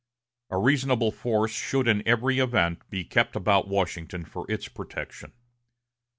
A reasonable force should in every event be kept about Washington for its protection.